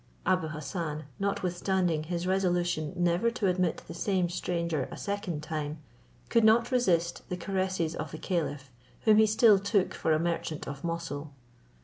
Abou Hassan, notwithstanding his resolution never to admit the same stranger a second time, could not resist the caresses of the caliph, whom he still took for a merchant of Moussul.